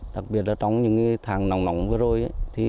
đặc biệt trong những tháng nóng nóng vừa rồi